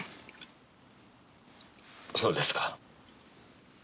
そうですか。